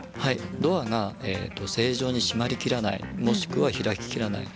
ドアが正常に閉まりきらないもしくは開ききらない